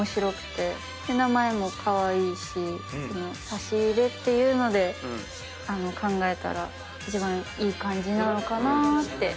差し入れっていうので考えたら一番いい感じなのかなって。